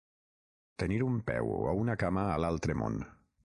Tenir un peu o una cama a l'altre món.